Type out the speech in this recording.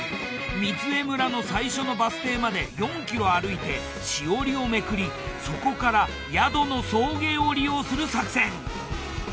御杖村の最初のバス停まで４ｋｍ歩いてしおりをめくりそこから宿の送迎を利用する作戦。